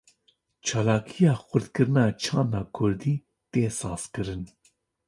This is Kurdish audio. Çalakiya xurtkirina çanda Kurdî, tê sazkirin